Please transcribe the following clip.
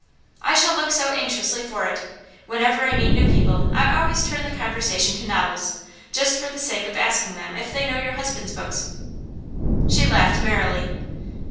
'I shall look so anxiously for it. Whenever I meet new people I always turn the conversation to novels, just for the sake of asking them if they know your husband's books.' She laughed merrily.